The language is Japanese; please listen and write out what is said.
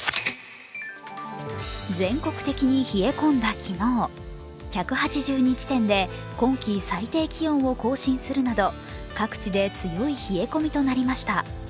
全国的に冷え込んだ昨日１８２地点で今季最低気温を更新するなど各地で強い冷え込みとなりました。